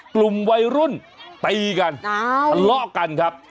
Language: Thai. กลุ่มวัยรุ่นตีกันทะเลาะกันครับ